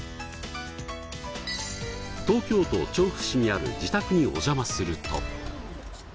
東京都調布市にある自宅にお邪魔すると。